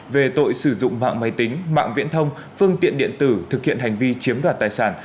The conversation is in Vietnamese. về tội sử dụng mạng máy tính mạng viễn thông phương tiện điện tử thực hiện hành vi chiếm đoạt tài sản